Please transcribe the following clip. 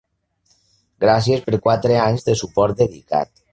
Gràcies per quatre anys de suport dedicat.